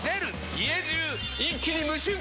家中一気に無臭化！